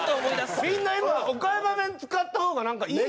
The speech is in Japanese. みんな今岡山弁使った方がなんかいいやん！